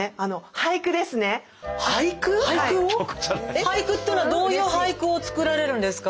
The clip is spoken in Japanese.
⁉俳句を⁉俳句というのはどういう俳句を作られるんですか？